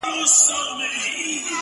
• د سترگو د ملا خاوند دی ـ